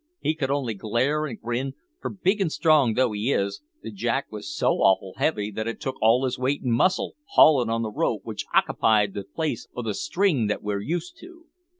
He could only glare an' grin, for, big an' strong though he is, the jack wos so awful heavy that it took all his weight an' muscle haulin' on the rope which okipied the place o' the string that we're used to.